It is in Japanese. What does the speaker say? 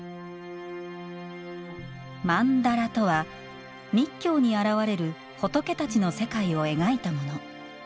曼荼羅とは、密教に現れる仏たちの世界を描いたもの。